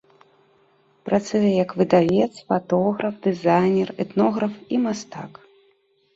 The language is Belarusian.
Працуе як выдавец, фатограф, дызайнер, этнограф і мастак.